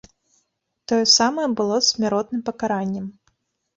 Тое самае было з смяротным пакараннем.